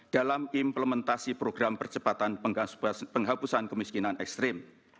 dalam implementasi program percepatan penghapusan kemiskinan ekstrim